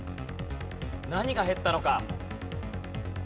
何が減ったのか？